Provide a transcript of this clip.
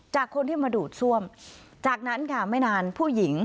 จากคนที่มาดูดซ่วมจากนั้นค่ะไม่นานผู้หญิง